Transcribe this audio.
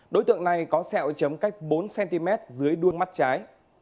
đối tượng này có xe ô tô chấm cách bốn cm dưới đuông mắt trái